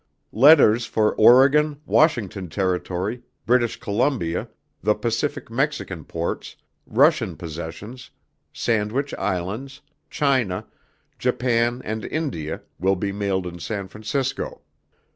Letters for Oregon, Washington Territory, British Columbia, the Pacific Mexican ports, Russian Possessions, Sandwich Islands, China, Japan and India will be mailed in San Francisco.